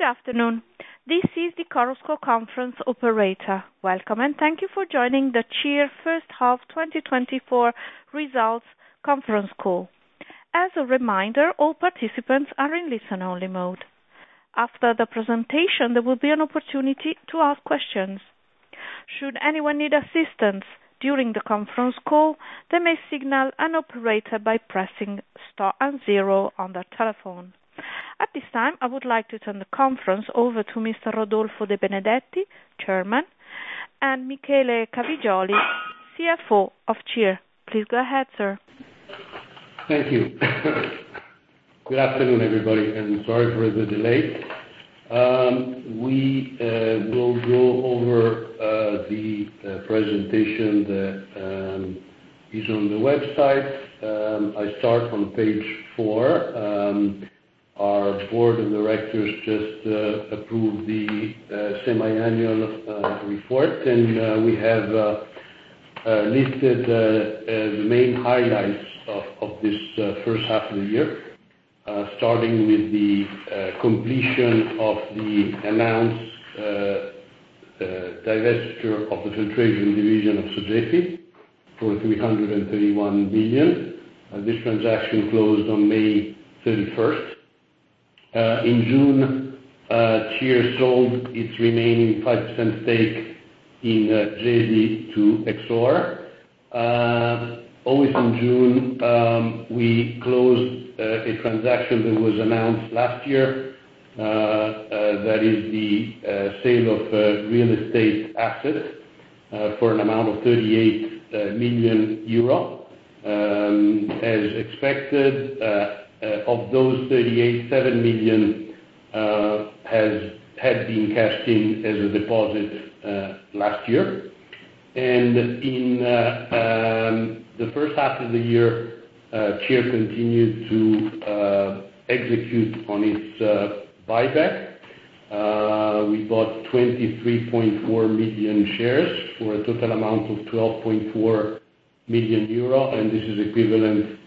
Good afternoon. This is the Chorus Call Conference operator. Welcome, and thank you for joining the CIR first half 2024 results conference call. As a reminder, all participants are in listen-only mode. After the presentation, there will be an opportunity to ask questions. Should anyone need assistance during the conference call, they may signal an operator by pressing star and zero on their telephone. At this time, I would like to turn the conference over to Mr. Rodolfo De Benedetti, Chairman, and Michele Cavigioli, CFO of CIR. Please go ahead, sir. Thank you. Good afternoon, everybody, and sorry for the delay. We will go over the presentation that is on the website. I start on page 4. Our board of directors just approved the semiannual report, and we have listed the main highlights of this first half of the year. Starting with the completion of the announced divestiture of the Filtration Division of Sogefi for 331 million. This transaction closed on May 31st. In June, CIR sold its remaining 5% stake in GEDI to Exor. Always in June, we closed a transaction that was announced last year, that is the sale of real estate assets for an amount of 38 million euro. As expected, of those 38.7 million had been cashed in as a deposit last year. In the first half of the year, CIR continued to execute on its buyback. We bought 23.4 million shares for a total amount of 12.4 million euro, and this is equivalent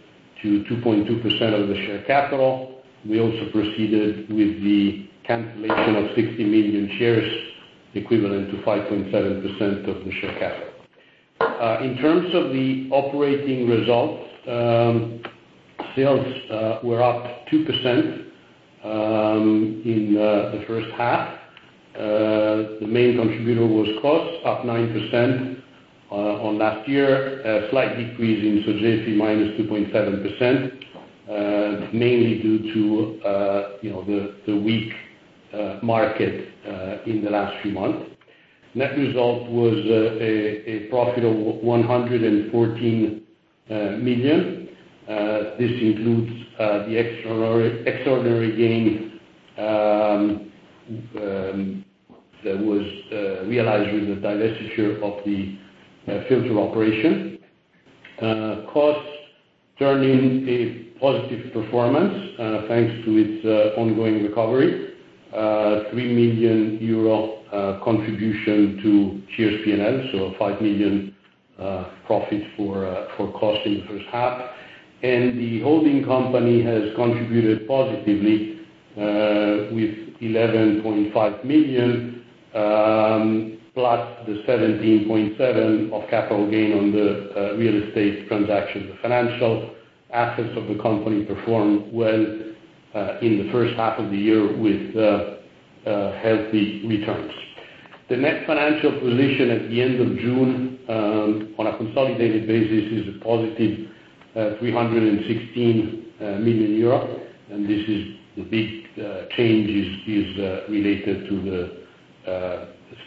to 2.2% of the share capital. We also proceeded with the cancellation of 60 million shares, equivalent to 5.7% of the share capital. In terms of the operating results, sales were up 2% in the first half. The main contributor was KOS, up 9% on last year. A slight decrease in Sogefi, -2.7%, mainly due to, you know, the weak market in the last few months. Net result was a profit of 114 million. This includes the extraordinary gain that was realized with the divestiture of the filtration operation. KOS turned in a positive performance, thanks to its ongoing recovery. 3 million euro contribution to CIR P&L, so a 5 million profit for KOS in the first half. And the holding company has contributed positively with 11.5 million, plus the 17.7 million of capital gain on the real estate transaction. The financial assets of the company performed well in the first half of the year with healthy returns. The Net Financial Position at the end of June, on a consolidated basis, is a positive 316 million euro, and this is the big change related to the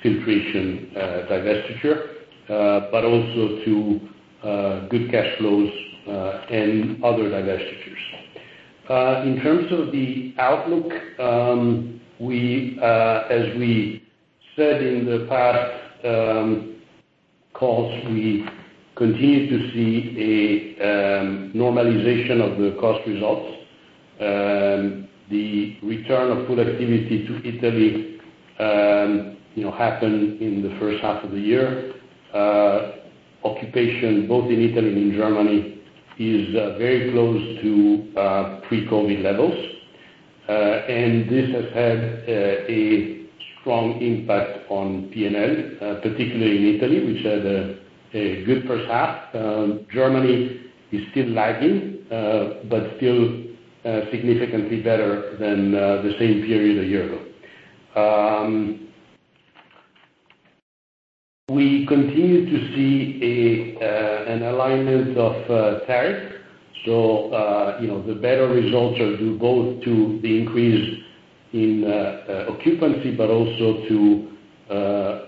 filtration divestiture, but also to good cash flows and other divestitures. In terms of the outlook, we, as we said in the past calls, continue to see a normalization of the cost results. The return of full activity to Italy, you know, happened in the first half of the year. Occupancy, both in Italy and in Germany, is very close to pre-COVID levels. And this has had a strong impact on PNL, particularly in Italy, which had a good first half. Germany is still lagging, but still, significantly better than the same period a year ago. We continue to see an alignment of tariff. So, you know, the better results are due both to the increase in occupancy, but also to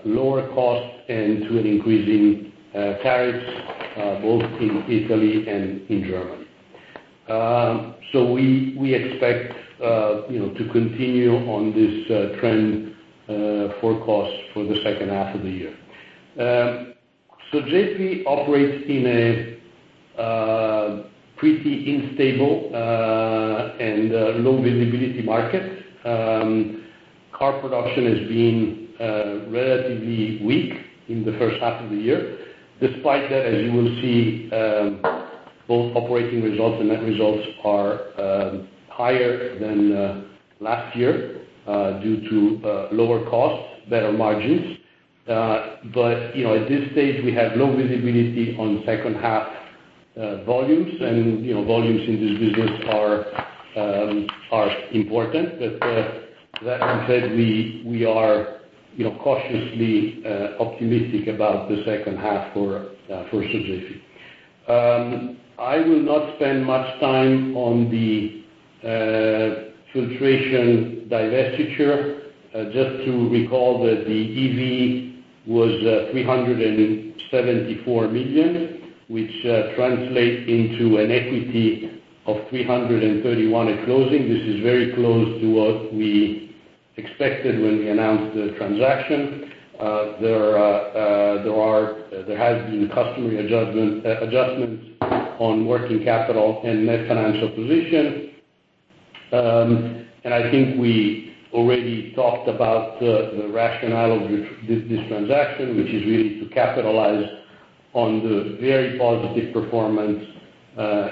lower costs and to an increasing tariffs, both in Italy and in Germany. So we, we expect, you know, to continue on this trend for costs for the second half of the year. Sogefi operates in a pretty unstable and low visibility market. Car production has been relatively weak in the first half of the year. Despite that, as you will see, both operating results and net results are higher than last year due to lower costs, better margins. But, you know, at this stage, we have low visibility on second half volumes, and, you know, volumes in this business are important. But, that said, we are, you know, cautiously optimistic about the second half for Sogefi. I will not spend much time on the Filtration divestiture. Just to recall that the EV was 374 million, which translates into an equity of 331 million at closing. This is very close to what we expected when we announced the transaction. There has been customary adjustments on working capital and Net Financial Position. I think we already talked about the rationale of this transaction, which is really to capitalize on the very positive performance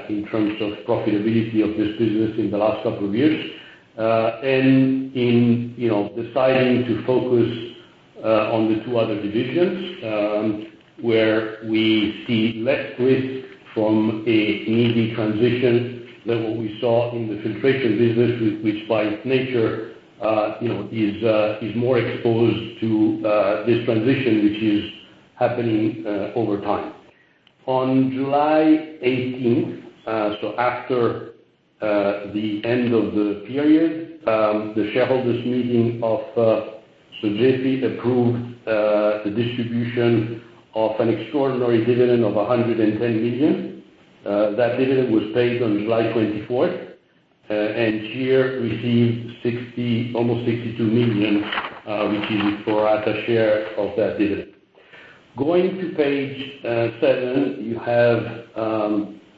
in terms of profitability of this business in the last couple of years. And in, you know, deciding to focus on the two other divisions, where we see less risk from an EV transition than what we saw in the Filtration business, which by its nature, you know, is more exposed to this transition, which is happening over time. On July eighteenth, so after the end of the period, the shareholders' meeting of Sogefi approved the distribution of an extraordinary dividend of 110 million. That dividend was paid on July 24, and CIR received almost 62 million, which is pro rata share of that dividend. Going to page 7, you have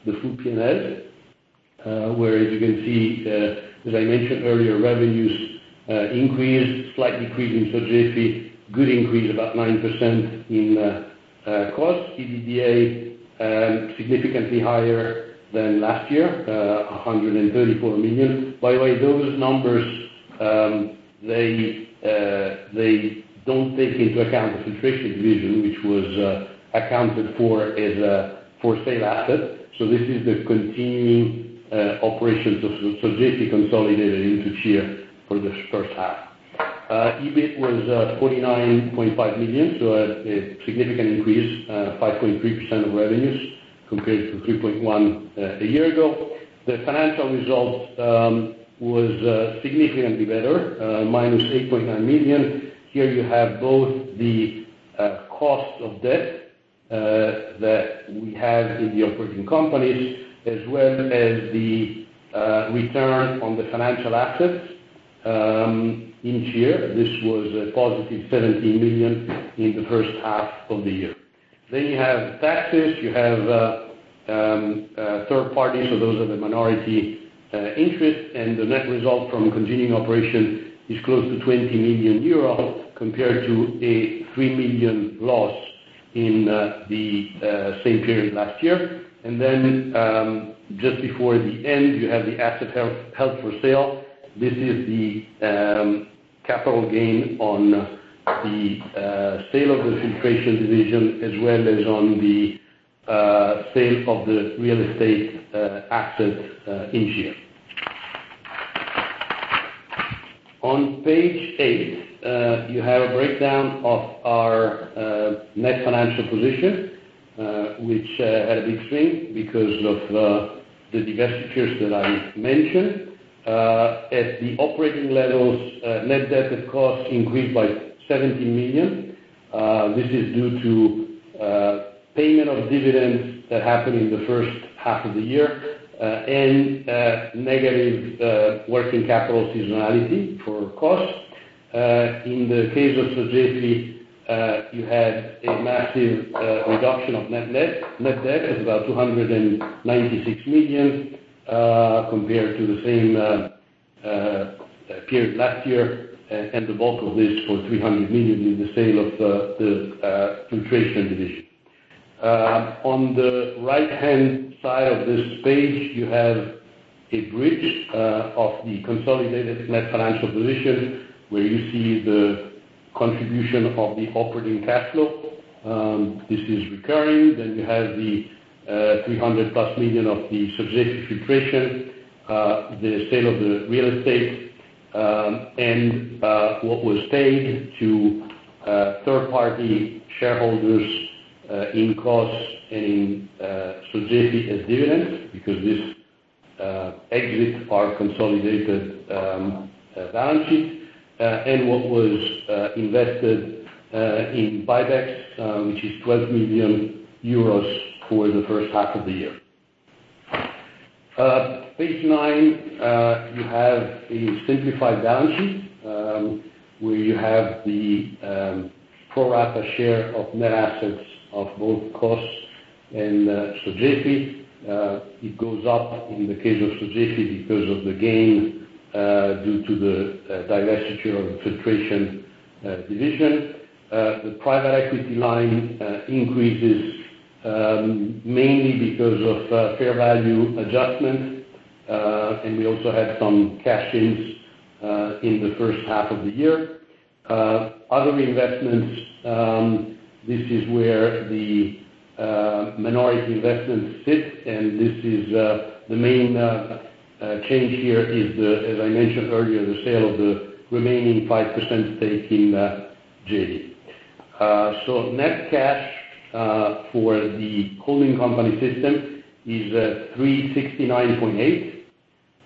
the full P&L, where, as you can see, as I mentioned earlier, revenues increased, slight increase in Sogefi, good increase, about 9% in KOS. EBITDA significantly higher than last year, 134 million. By the way, those numbers, they don't take into account the Filtration Division, which was accounted for as a for-sale asset. So this is the continuing operations of Sogefi consolidated into CIR for the first half. EBIT was 49.5 million, so a significant increase, 5.3% of revenues compared to 3.1% a year ago. The financial results was significantly better, -8.9 million. Here you have both the cost of debt that we have in the operating companies, as well as the return on the financial assets in CIR. This was a positive 17 million in the first half of the year. Then you have taxes, you have third party, so those are the minority interest, and the net result from continuing operation is close to 20 million euro, compared to a 3 million loss in the same period last year. And then just before the end, you have the asset held for sale. This is the capital gain on the sale of the Filtration Division, as well as on the sale of the real estate assets in CIR. On page 8, you have a breakdown of our net financial position, which had a big swing because of the divestitures that I mentioned. At the operating levels, net debt of KOS increased by 17 million. This is due to payment of dividends that happened in the first half of the year, and negative working capital seasonality for KOS. In the case of Sogefi, you had a massive reduction of net debt. Net debt is about 296 million, compared to the same period last year, and the bulk of this for 300 million in the sale of the Filtration Division. On the right-hand side of this page, you have a bridge of the consolidated net financial position, where you see the contribution of the operating cash flow. This is recurring. Then you have the 300+ million of the Sogefi Filtration, the sale of the real estate, and what was paid to third-party shareholders in KOS and Sogefi as dividends, because this exits our consolidated balance sheet, and what was invested in buybacks, which is 12 million euros for the first half of the year. Page 9, you have a simplified balance sheet, where you have the pro rata share of net assets of both KOS and Sogefi. It goes up in the case of Sogefi because of the gain due to the divestiture of the Filtration Division. The private equity line increases mainly because of fair value adjustments and we also had some cash ins in the first half of the year. Other investments, this is where the minority investments sit, and this is the main change here is the, as I mentioned earlier, the sale of the remaining 5% stake in JD. So net cash for the holding company system is 369.8.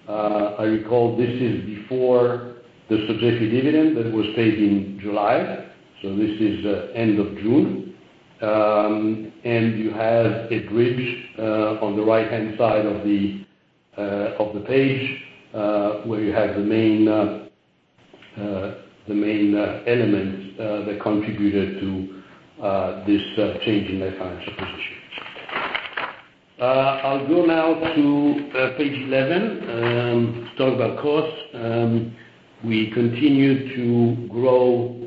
I recall this is before the suggested dividend that was paid in July, so this is end of June. And you have a bridge on the right-hand side of the page, where you have the main elements that contributed to this change in the financial position. I'll go now to page 11 to talk about costs. We continue to grow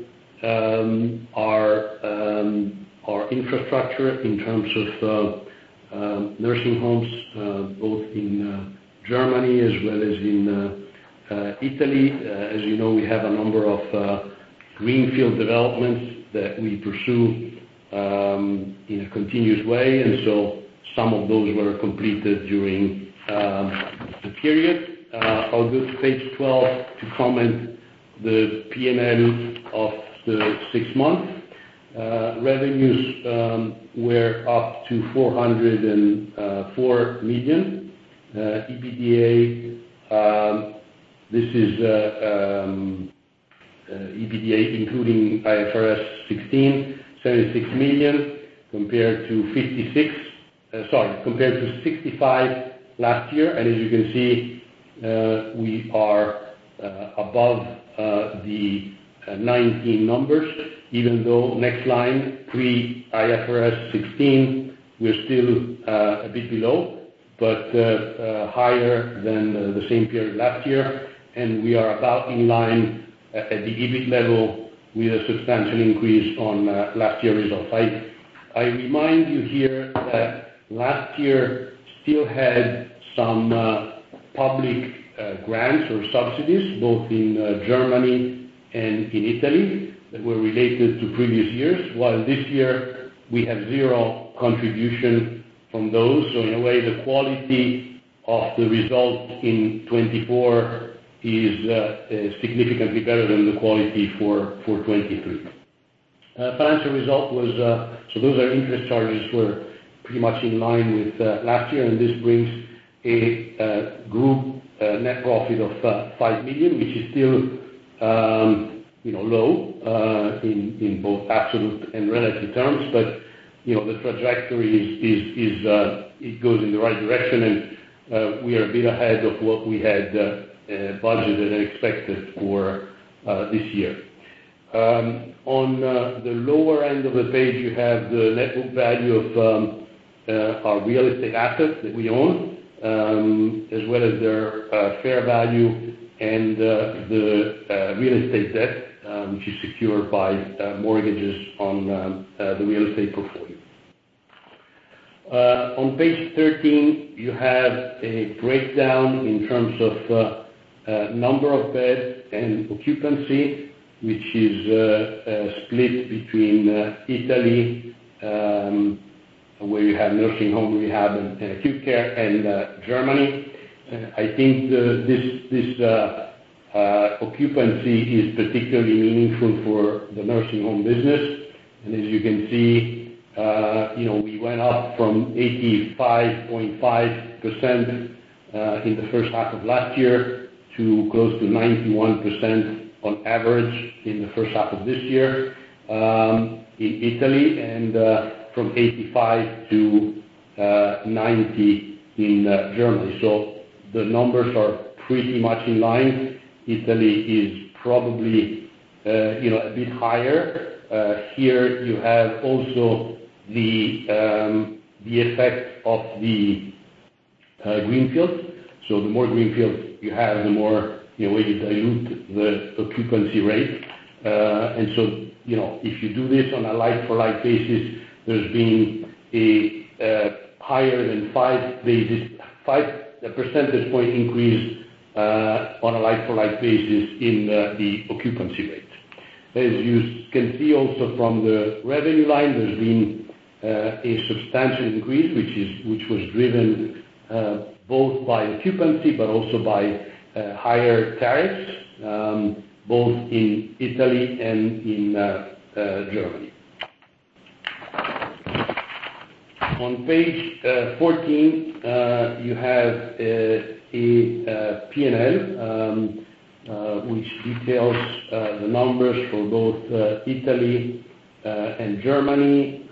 our infrastructure in terms of nursing homes, both in Germany as well as in Italy. As you know, we have a number of greenfield developments that we pursue in a continuous way, and so some of those were completed during the period. I'll go to page 12 to comment the PNL of the six months. Revenues were up to EUR 404 million. EBITDA, um, this is, um, EBITDA including IFRS 16, 76 million, compared to 65 million last year. And as you can see, we are above the 2019 numbers, even though next line, pre-IFRS 16, we're still a bit below, but higher than the same period last year. And we are about in line at the EBIT level with a substantial increase on last year result. I remind you here that last year still had some public grants or subsidies, both in Germany and in Italy, that were related to previous years, while this year we have zero contribution from those. So in a way, the quality of the result in 2024 is significantly better than the quality for 2023. Financial result was, so those are interest charges were pretty much in line with last year, and this brings a group net profit of 5 million, which is still, you know, low in both absolute and relative terms. But, you know, the trajectory is, it goes in the right direction, and we are a bit ahead of what we had budgeted and expected for this year. On the lower end of the page, you have the net book value of our real estate assets that we own, as well as their fair value and the real estate debt, which is secured by mortgages on the real estate portfolio. On page 13, you have a breakdown in terms of number of beds and occupancy, which is split between Italy, where you have nursing home, rehab, and acute care, and Germany. I think this occupancy is particularly meaningful for the nursing home business. And as you can see, you know, we went up from 85.5% in the first half of last year to close to 91% on average in the first half of this year in Italy, and from 85 to 90 in Germany. So the numbers are pretty much in line. Italy is probably, you know, a bit higher. Here you have also the effect of the greenfield. So the more greenfield you have, the more, you know, way you dilute the occupancy rate. And so, you know, if you do this on a like-for-like basis, there's been a higher than 5 percentage point increase on a like-for-like basis in the occupancy rate. As you can see also from the revenue line, there's been a substantial increase, which was driven both by occupancy, but also by higher tariffs both in Italy and in Germany. On page 14, you have a PNL which details the numbers for both Italy and Germany.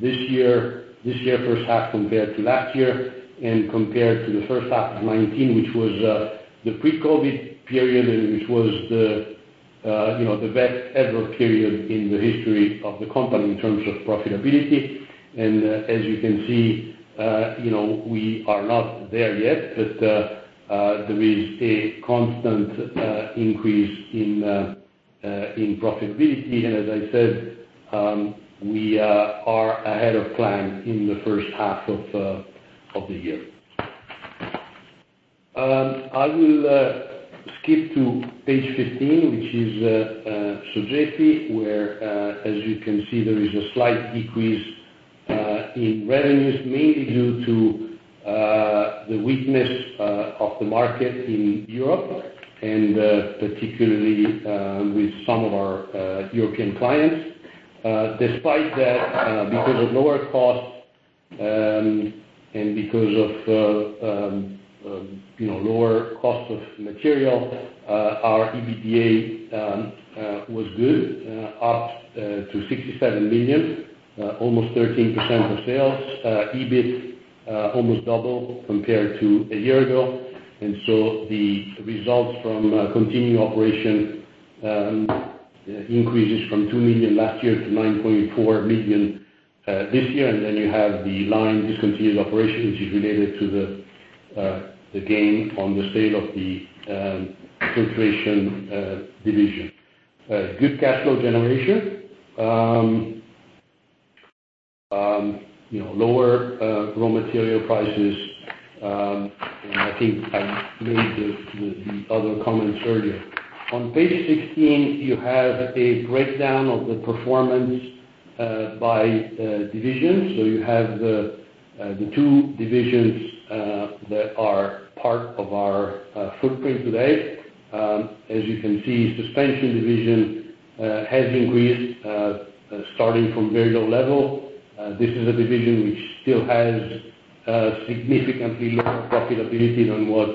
This year, this year, first half compared to last year and compared to the first half of 2019, which was the pre-COVID period, and which was the, you know, the best ever period in the history of the company in terms of profitability. As you can see, you know, we are not there yet, but there is a constant increase in profitability, and as I said, we are ahead of plan in the first half of the year. I will skip to page 15, which is Sogefi, where as you can see, there is a slight decrease in revenues, mainly due to the weakness of the market in Europe and particularly with some of our European clients. Despite that, because of lower costs, and because of, you know, lower cost of material, our EBITDA was good, up to 67 million, almost 13% of sales. EBIT almost double compared to a year ago, and so the results from continuing operation increases from 2 million last year to 9.4 million this year. And then you have the line discontinued operation, which is related to the gain on the sale of the filtration division. Good cash flow generation. You know, lower raw material prices, and I think I made the other comments earlier. On page 16, you have a breakdown of the performance by division. So you have the two divisions that are part of our footprint today. As you can see, Suspension Division has increased starting from very low level. This is a division which still has significantly lower profitability than what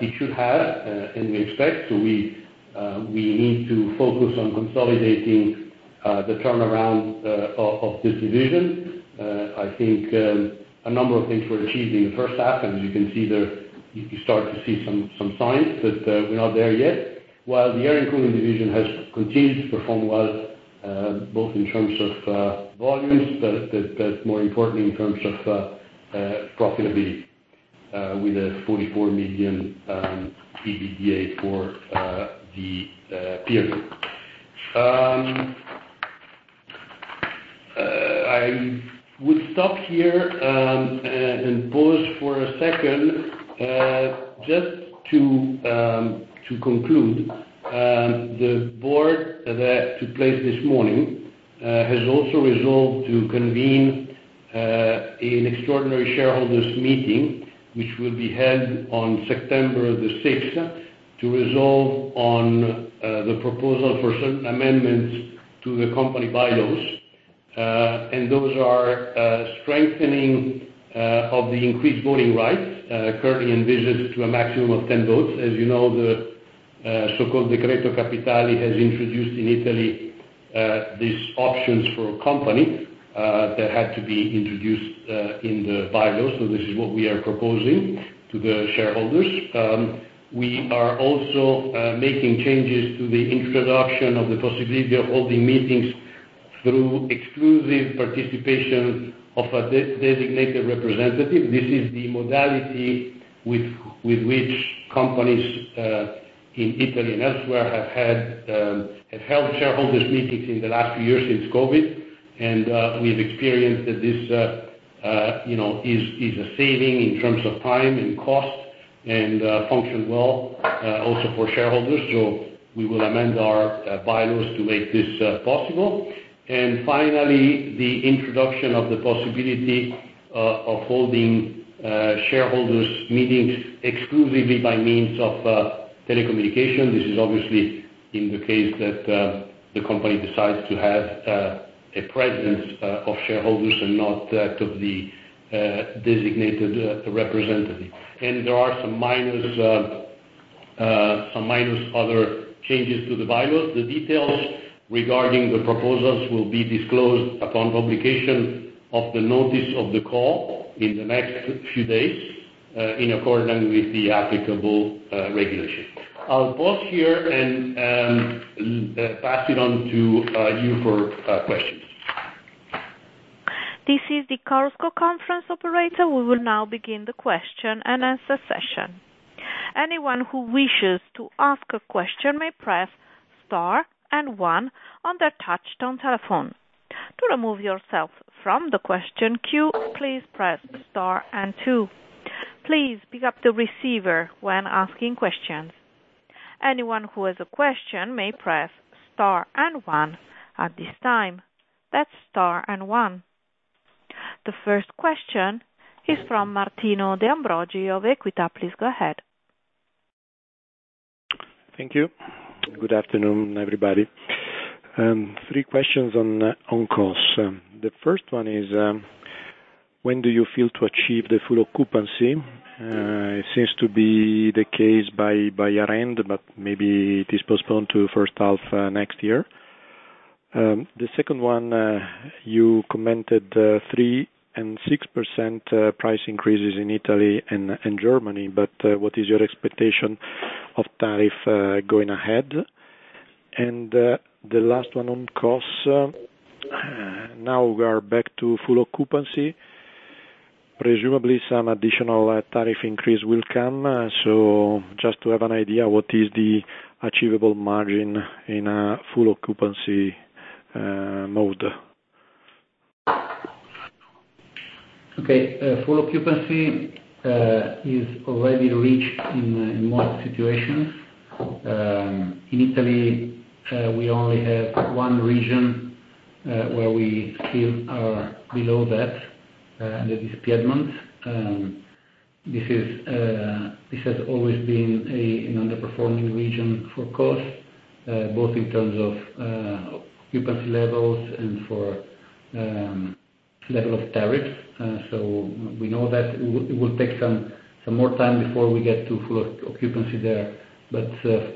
it should have and we expect. So we need to focus on consolidating the turnaround of this division. I think a number of things we're achieving. The first half, and as you can see there, you start to see some signs, but we're not there yet. While the Air and Cooling Division has continued to perform well both in terms of volumes, but more importantly, in terms of profitability with a 44 million EBITDA for the period. I will stop here and pause for a second, just to conclude. The board that took place this morning has also resolved to convene an extraordinary shareholders meeting, which will be held on September the sixth, to resolve on the proposal for certain amendments to the company bylaws. And those are strengthening of the increased voting rights currently envisaged to a maximum of 10 votes. As you know, the so-called Decreto Capitali has introduced in Italy these options for a company that had to be introduced in the bylaws. So this is what we are proposing to the shareholders. We are also making changes to the introduction of the possibility of holding meetings through exclusive participation of a designated representative. This is the modality with which companies in Italy and elsewhere have held shareholders meetings in the last few years since COVID. We've experienced that this you know is a saving in terms of time and cost, and functions well also for shareholders. So we will amend our bylaws to make this possible. And finally, the introduction of the possibility of holding shareholders meetings exclusively by means of telecommunication. This is obviously in the case that the company decides to have a presence of shareholders and not that of the designated representative. And there are some minor other changes to the bylaws. The details regarding the proposals will be disclosed upon publication of the notice of the call in the next few days, in accordance with the applicable regulation. I'll pause here and pass it on to you for questions. This is the Chorus Call Conference Operator. We will now begin the question and answer session. Anyone who wishes to ask a question may press Star and One on their touchtone telephone. To remove yourself from the question queue, please press Star and Two. Please pick up the receiver when asking questions. Anyone who has a question may press Star and One at this time. That's Star and One. The first question is from Martino De Ambrogi of Equita. Please go ahead. Thank you. Good afternoon, everybody. Three questions on costs. The first one is, when do you feel to achieve the full occupancy? It seems to be the case by year-end, but maybe it is postponed to first half next year. The second one, you commented 3% and 6% price increases in Italy and Germany, but what is your expectation of tariff going ahead? The last one on costs. Now we are back to full occupancy. Presumably some additional tariff increase will come. Just to have an idea, what is the achievable margin in a full occupancy mode? Okay. Full occupancy is already reached in most situations. In Italy, we only have one region where we still are below that, and that is Piedmont. This is, this has always been an underperforming region for KOS, both in terms of occupancy levels and for level of tariffs. So we know that it will, it will take some, some more time before we get to full occupancy there. But,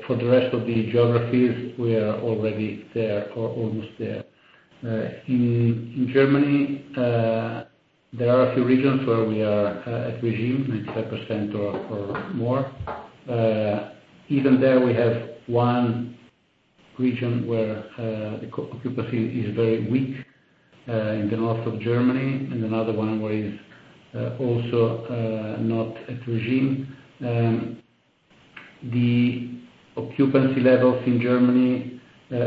for the rest of the geographies, we are already there or almost there. In Germany, there are a few regions where we are at regime, 95% or more. Even there, we have one region where the occupancy is very weak, in the north of Germany, and another one where is also not at regime. The occupancy levels in Germany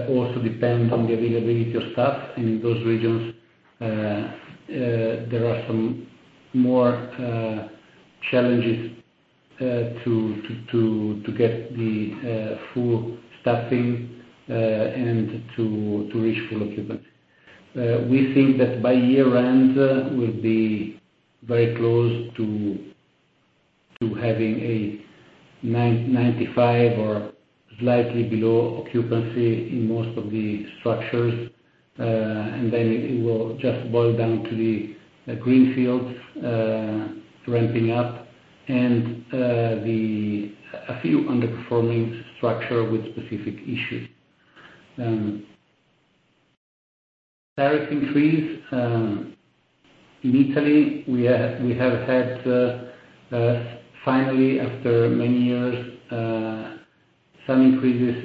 also depend on the availability of staff. In those regions, there are some more challenges to get the full staffing and to reach full occupancy. We think that by year-end, we'll be very close to having a 99.5% or slightly below occupancy in most of the structures. And then it will just boil down to the greenfields ramping up and a few underperforming structures with specific issues. Tariff increase in Italy, we have had finally, after many years, some increases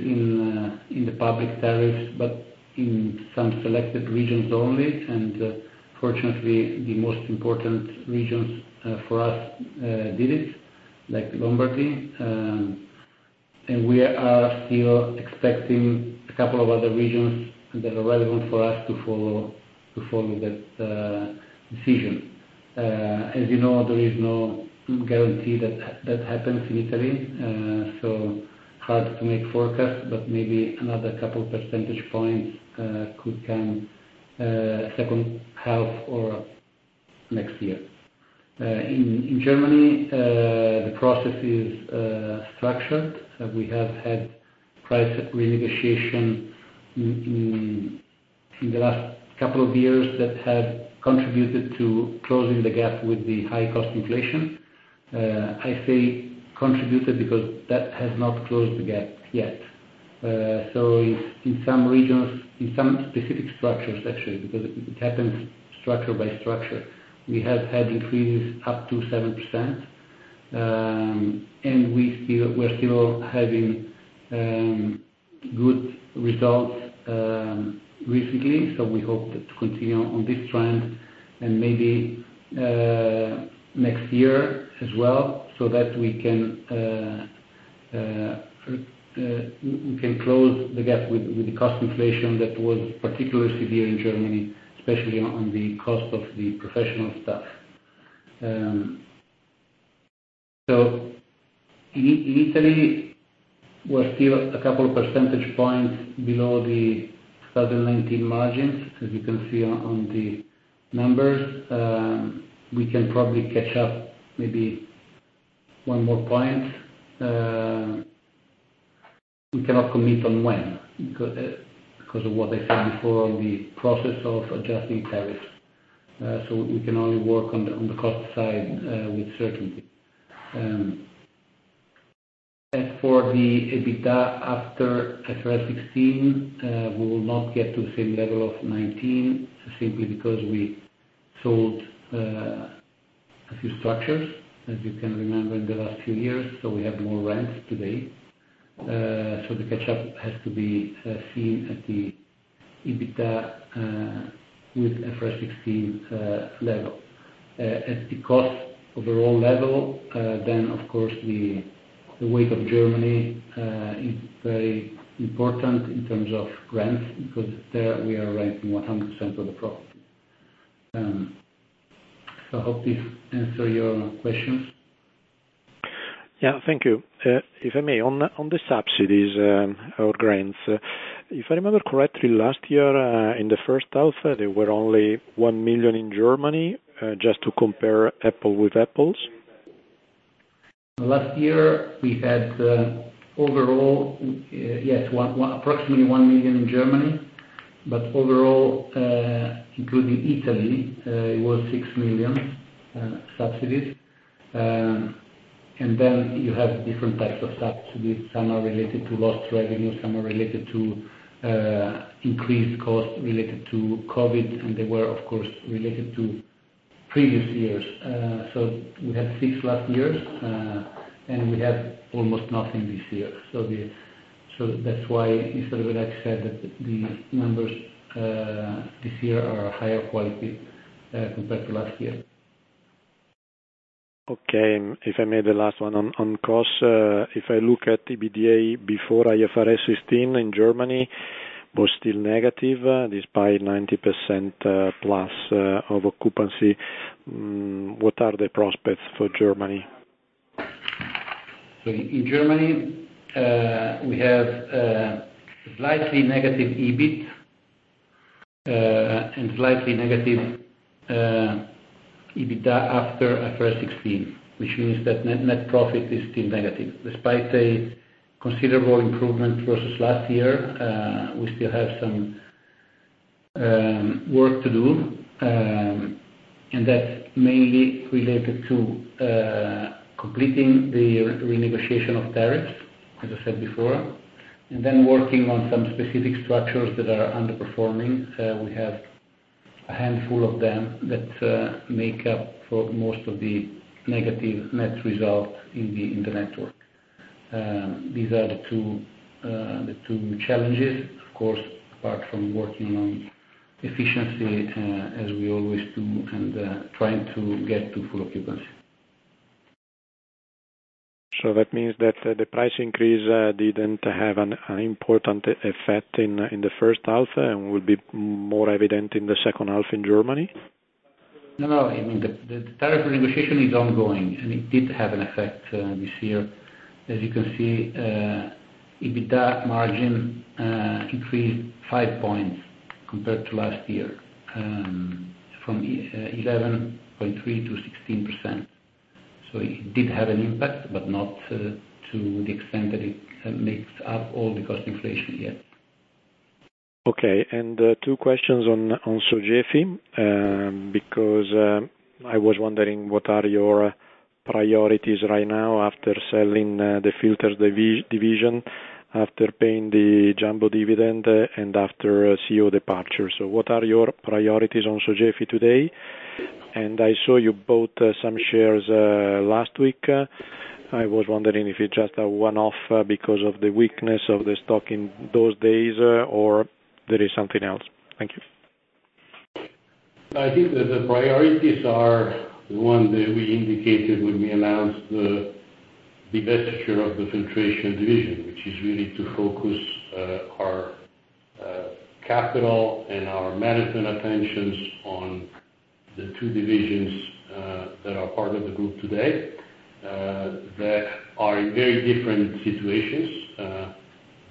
in the public tariffs, but in some selected regions only. And fortunately, the most important regions for us did it, like Lombardy. And we are still expecting a couple of other regions that are relevant for us to follow, to follow that decision. As you know, there is no guarantee that, that happens in Italy, so hard to make forecast, but maybe another couple percentage points could come second half or next year. In Germany, the process is structured. We have had price renegotiation in the last couple of years that have contributed to closing the gap with the high cost inflation. I say contributed because that has not closed the gap yet. So in some regions, in some specific structures, actually, because it happens structure by structure, we have had increases up to 7%, and we're still having good results recently. So we hope to continue on this trend and maybe next year as well, so that we can close the gap with the cost inflation that was particularly severe in Germany, especially on the cost of the professional staff. So in Italy, we're still a couple of percentage points below the southern 19 margins, as you can see on the numbers. We can probably catch up maybe one more point. We cannot commit on when, because of what I said before, the process of adjusting tariffs. So we can only work on the cost side with certainty. As for the EBITDA after IFRS 16, we will not get to the same level of 19, simply because we sold a few structures, as you can remember, in the last few years, so we have more rents today. So the catch-up has to be seen at the EBITDA with IFRS 16 level. As the cost overall level, then, of course, the weight of Germany is very important in terms of rents, because there we are renting 100% of the property. So I hope this answer your questions. Yeah. Thank you. If I may, on the subsidies or grants, if I remember correctly, last year in the first half, there were only 1 million in Germany, just to compare apple with apples. Last year, we had overall, yes, approximately 1 million in Germany, but overall, including Italy, it was 6 million subsidies. And then you have different types of subsidies. Some are related to lost revenue, some are related to increased cost related to COVID, and they were, of course, related to previous years. So we had 6 last years, and we have almost nothing this year. So that's why Mr. Vailati said that the numbers this year are higher quality compared to last year. Okay. If I may, the last one on costs, if I look at EBITDA before IFRS 16 in Germany, was still negative, despite 90%+ of occupancy. What are the prospects for Germany? So in Germany, we have slightly negative EBIT and slightly negative EBITDA after IFRS 16, which means that net profit is still negative. Despite a considerable improvement versus last year, we still have some work to do. That's mainly related to completing the renegotiation of tariffs, as I said before. Then working on some specific structures that are underperforming. We have a handful of them that make up for most of the negative net result in the network. These are the two challenges, of course, apart from working on efficiency, as we always do, and trying to get to full occupancy. So that means that the price increase didn't have an important effect in the first half, and will be more evident in the second half in Germany? No, no. I mean, the tariff negotiation is ongoing, and it did have an effect this year. As you can see, EBITDA margin increased five points compared to last year, from 11.3%-16%. So it did have an impact, but not to the extent that it makes up all the cost inflation yet. Okay, and two questions on Sogefi, because I was wondering, what are your priorities right now after selling the filters division, after paying the jumbo dividend, and after CEO departure? So what are your priorities on Sogefi today? And I saw you bought some shares last week. I was wondering if it's just a one-off because of the weakness of the stock in those days, or there is something else. Thank you. I think that the priorities are the ones that we indicated when we announced the divestiture of the Filtration Division, which is really to focus our capital and our management attentions on the two divisions that are part of the group today. That are in very different situations.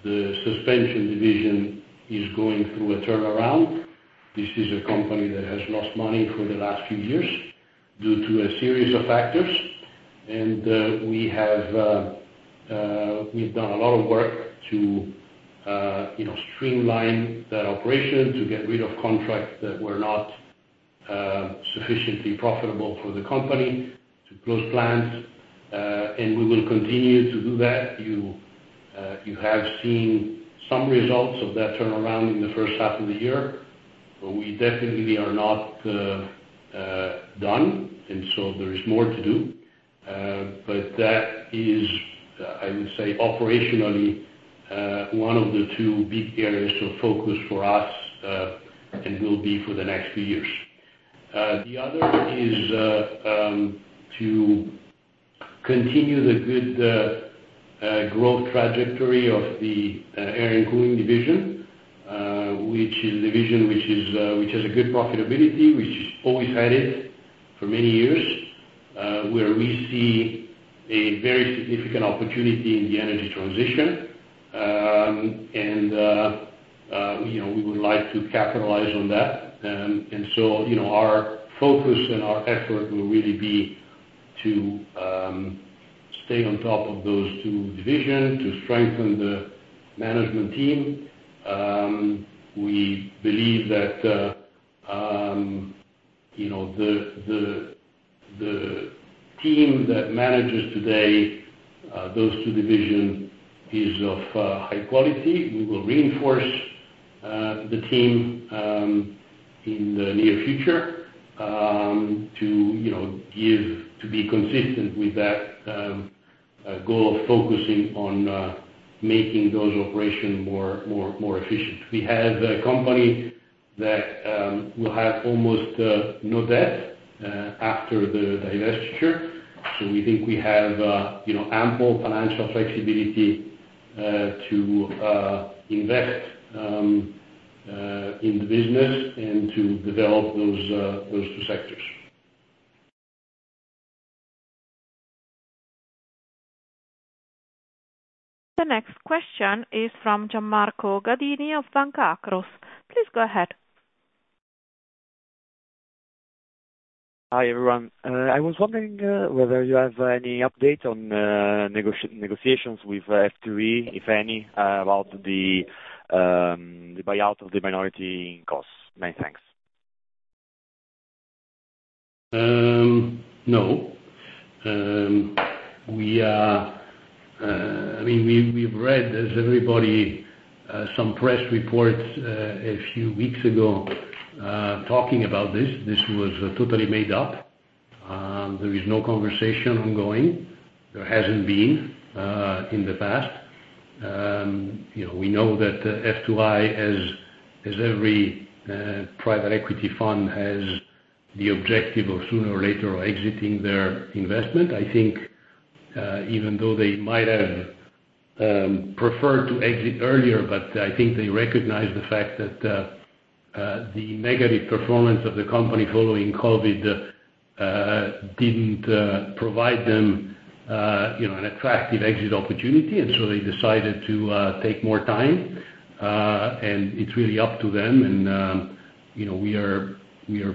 The Suspension Division is going through a turnaround. This is a company that has lost money for the last few years due to a series of factors, and we've done a lot of work to you know, streamline that operation, to get rid of contracts that were not sufficiently profitable for the company, to close plants, and we will continue to do that. You have seen some results of that turnaround in the first half of the year, but we definitely are not done, and so there is more to do. But that is, I would say, operationally, one of the two big areas of focus for us, and will be for the next few years. The other is to continue the good growth trajectory of the Air and Cooling Division, which is the division which has a good profitability, which has always had it for many years. Where we see a very significant opportunity in the energy transition, and you know, we would like to capitalize on that. And so, you know, our focus and our effort will really be to stay on top of those two divisions, to strengthen the management team. We believe that, you know, the team that manages today those two divisions is of high quality. We will reinforce the team in the near future, you know, to be consistent with that goal of focusing on making those operations more efficient. We have a company that will have almost no debt after the divestiture. So we think we have, you know, ample financial flexibility to invest in the business and to develop those two sectors. The next question is from Gianmarco Ghedini of Banca Akros. Please go ahead. Hi, everyone. I was wondering whether you have any update on negotiations with F2i, if any, about the buyout of the minority in KOS. Many thanks. No. I mean, we've read, as everybody, some press reports a few weeks ago talking about this. This was totally made up. There is no conversation ongoing. There hasn't been in the past. You know, we know that F2i, as every private equity fund, has the objective of sooner or later exiting their investment. I think, even though they might have preferred to exit earlier, but I think they recognize the fact that the negative performance of the company following COVID didn't provide them you know, an attractive exit opportunity. And so they decided to take more time. And it's really up to them and, you know, we are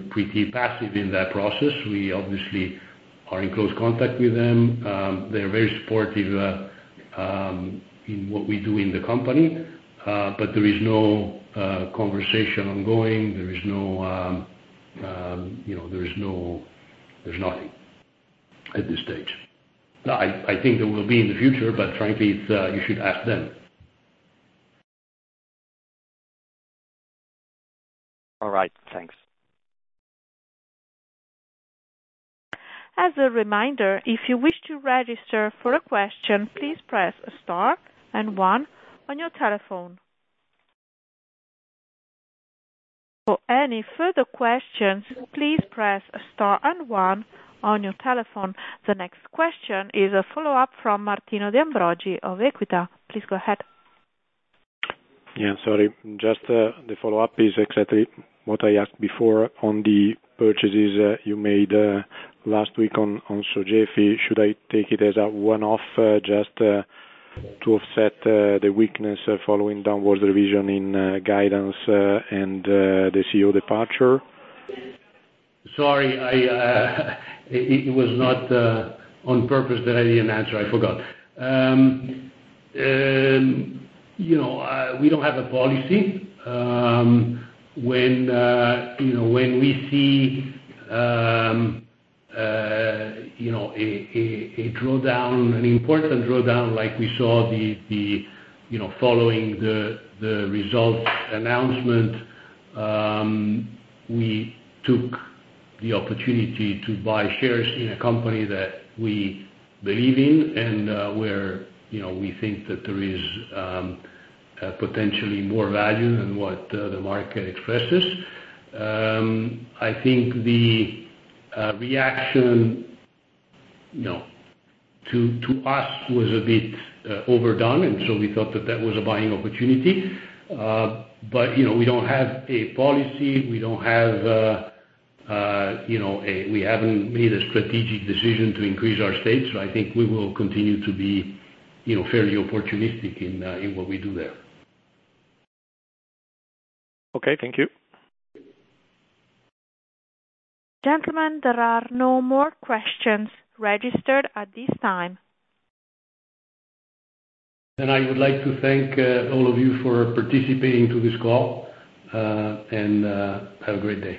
pretty passive in that process. We obviously are in close contact with them. They're very supportive in what we do in the company, but there is no conversation ongoing. There is no, you know, there is no. There's nothing at this stage. I think there will be in the future, but frankly, it's. You should ask them. All right, thanks. As a reminder, if you wish to register for a question, please press star and one on your telephone. For any further questions, please press star and one on your telephone. The next question is a follow-up from Martino De Ambrogi of Equita. Please go ahead. Yeah, sorry. Just, the follow-up is exactly what I asked before on the purchases you made last week on Sogefi. Should I take it as a one-off, just, to offset the weakness following downward revision in guidance, and the CEO departure? Sorry, it was not on purpose that I didn't answer. I forgot. You know, we don't have a policy. When, you know, when we see a drawdown, an important drawdown, like we saw, you know, following the results announcement, we took the opportunity to buy shares in a company that we believe in and, where, you know, we think that there is potentially more value than what the market expresses. I think the reaction, you know, to us was a bit overdone, and so we thought that that was a buying opportunity. But, you know, we don't have a policy, we don't have, you know, a... We haven't made a strategic decision to increase our stakes, so I think we will continue to be, you know, fairly opportunistic in, in what we do there. Okay, thank you. Gentlemen, there are no more questions registered at this time. I would like to thank all of you for participating to this call, and have a great day.